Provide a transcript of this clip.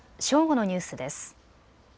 正午のニュースです。